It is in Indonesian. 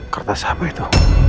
kertas apa itu